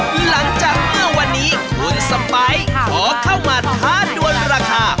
หลังจากเมื่อวันนี้คุณสไปร์ขอเข้ามาท้าดวนราคา